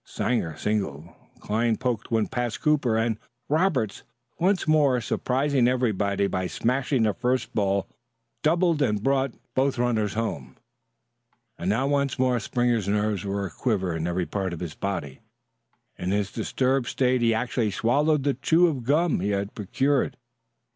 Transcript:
Sanger singled; Cline poked one past Cooper; and Roberts, once more surprising everybody by smashing the first ball, doubled and brought both runners home. And now once more Springer's nerves were a quiver in every part of his body. In his disturbed state he actually swallowed the chew of gum he had procured.